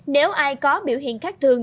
nếu ai có biểu hiện khác thường